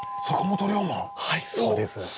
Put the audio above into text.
はいそうです。おっ！